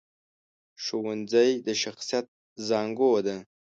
ښوونځی د شخصیت زانګو ده